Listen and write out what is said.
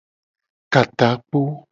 Ka takpo.